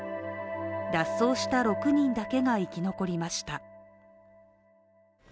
脱走した６人だけが生き残りました。